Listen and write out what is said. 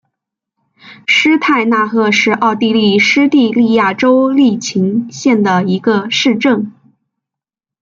施泰纳赫是奥地利施蒂利亚州利岑县的一个市镇。